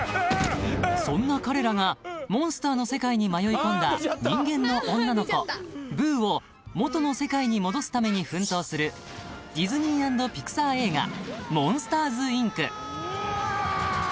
［そんな彼らがモンスターの世界に迷い込んだ人間の女の子ブーを元の世界に戻すために奮闘するディズニー＆ピクサー映画『モンスターズ・インク』］